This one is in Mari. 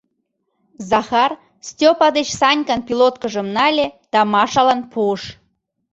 — Захар Стёпа деч Санькан пилоткыжым нале да Машалан пуыш.